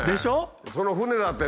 その船だってね